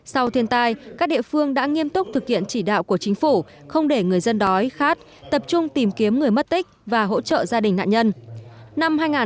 sau thiên tai các địa phương đã nghiêm túc thực hiện chỉ đạo của chính phủ không để người dân đói khát tập trung tìm kiếm người mất tích và hỗ trợ gia đình nạn nhân